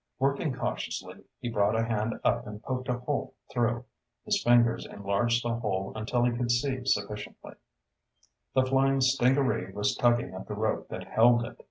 Working cautiously, he brought a hand up and poked a hole through. His fingers enlarged the hole until he could see sufficiently. The flying stingaree was tugging at the rope that held it!